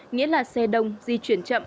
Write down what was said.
nghĩa là xe đông di chuyển